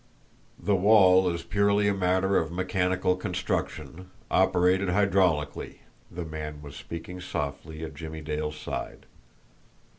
"The wall is purely a matter of mechanical construction, operated hydraulically." The man was speaking softly at Jimmie Dale's side.